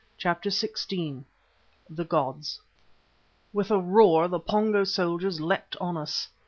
CHAPTER XVI THE GODS With a roar the Pongo soldiers leapt on us.